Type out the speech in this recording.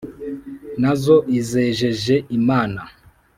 na zo izejeje imana,